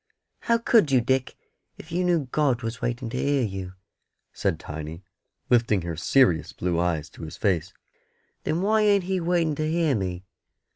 "How could you, Dick, if you knew God was waiting to hear you?" said Tiny, lifting her serious blue eyes to his face. "Then why ain't He waiting to hear me?"